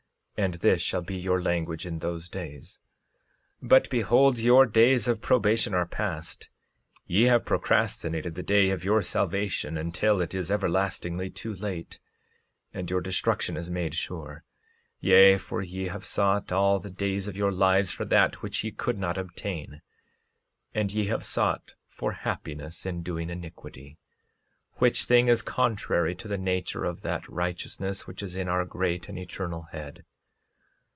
And this shall be your language in those days. 13:38 But behold, your days of probation are past; ye have procrastinated the day of your salvation until it is everlastingly too late, and your destruction is made sure; yea, for ye have sought all the days of your lives for that which ye could not obtain; and ye have sought for happiness in doing iniquity, which thing is contrary to the nature of that righteousness which is in our great and Eternal Head.